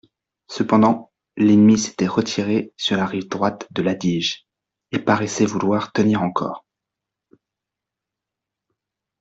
Cependant l'ennemi s'était retiré sur la rive droite de l'Adige, et paraissait vouloir tenir encore.